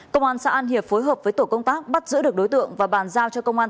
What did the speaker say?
công an xã an hiệp phối hợp với tổ công tác bắt giữ được đối tượng và bàn giao cho công an